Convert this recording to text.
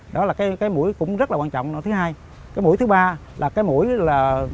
đó là cái mũi cũng rất là quan trọng thứ hai cái mũi thứ ba là cái mũi là